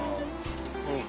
うん。